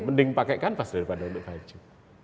mending pakai kanvas daripada untuk baju